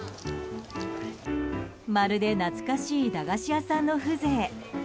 まるで懐かしい駄菓子屋さんの風情。